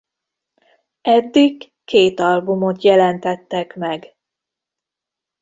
Eddig két albumot jelentettek meg.